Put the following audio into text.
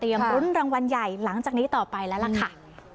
รุ้นรางวัลใหญ่หลังจากนี้ต่อไปแล้วล่ะค่ะ